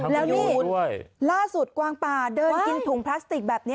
แล้วนี่ล่าสุดกวางป่าเดินกินถุงพลาสติกแบบนี้